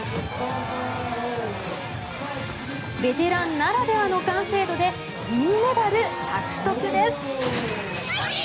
ベテランならではの完成度で銀メダル獲得です。